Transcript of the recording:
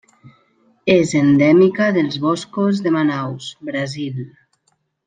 És endèmica dels boscos de Manaus, Brasil.